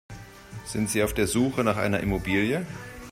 Sind Sie auf der Suche nach einer Immobilie?